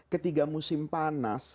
ketika musim panas